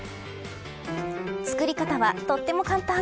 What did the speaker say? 作り方はとっても簡単。